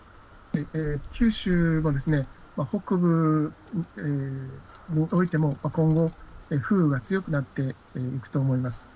九州は北部、今後、風雨が強くなっていくと思います。